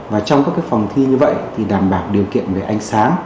và trong các phòng thi như vậy thì đảm bảo điều kiện về ánh sáng